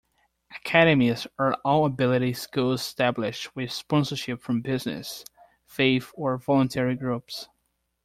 Academies are all-ability schools established with sponsorship from business, faith or voluntary groups.